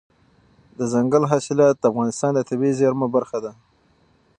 دځنګل حاصلات د افغانستان د طبیعي زیرمو برخه ده.